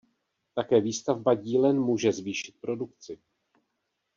Také výstavba dílen může zvýšit produkci.